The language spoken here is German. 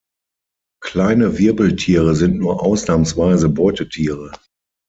Kleine Wirbeltiere sind nur ausnahmsweise Beutetiere.